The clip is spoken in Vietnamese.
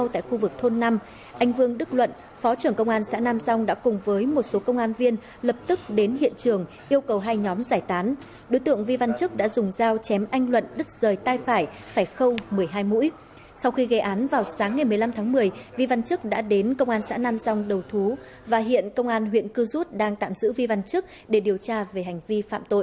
trong vương đức luận phó trưởng công an xã nam song đã cùng với một số công an viên lập tức đến hiện trường yêu cầu hai nhóm giải tán đối tượng vi văn trức đã dùng dao chém anh luận đứt rời tay phải phải khâu một mươi hai mũi sau khi gây án vào sáng ngày một mươi năm tháng một mươi vi văn trức đã đến công an xã nam song đầu thú và hiện công an huyện cư rút đang tạm giữ vi văn trức để điều tra về hành vi phạm tội